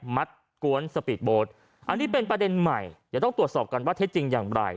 กวนสปีดโบสต์อันนี้เป็นประเด็นใหม่เดี๋ยวต้องตรวจสอบกันว่าเท็จจริงอย่างไร